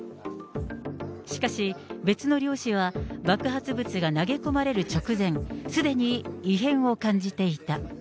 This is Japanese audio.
しかし、別の漁師は爆発物が投げ込まれる直前、すでに異変を感じていた。